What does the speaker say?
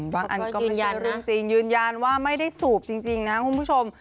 อันก็ยืนยันเรื่องจริงยืนยันว่าไม่ได้สูบจริงนะคุณผู้ชม